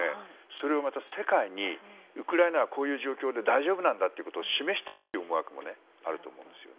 それを世界にウクライナはこういう状況で大丈夫なんだっていうことを示したい思惑もあると思います。